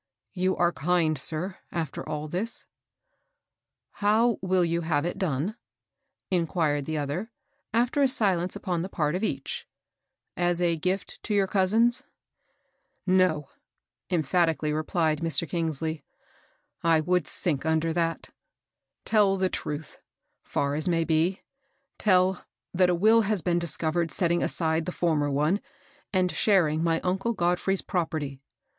" You are kind, sir, after all this !"How will you have it done ?" inquired the other, after a silence upon the part of each ;" as a gift to your cousins ?"No !" emphatically replied Mn Km^^e^ . "^"^V woaJd sink under t\\al\ T^W «sv^ "ttvsS^^^^^ ^^^ 422 HABEL ROSS. be, — tell that a will has been discovered setting aside the former one, and sharing mj uncle God frey*s property.